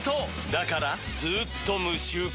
だからずーっと無臭化！